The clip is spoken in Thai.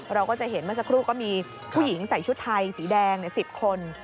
เราก็จะเห็นเมื่อสักครู่ก็มีผู้หญิงใส่ชุดไทยสีแดง๑๐คน